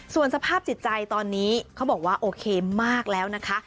ส่วนสภาพจิตใจตอนนี้เขาบอกว่าโอเคมากแล้วนะคะ